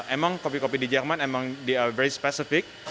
emang kopi kopi di jerman emang very specific